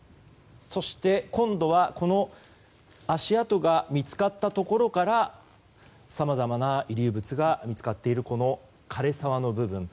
そして今度はこの足跡が見つかったところからさまざまな遺留物が見つかっている枯れ沢の部分。